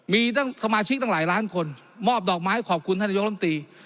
มีตั้งสมาชิกตั้งหลายล้านคนมอบดอกไม้ขอบคุณท่านนายกรมตี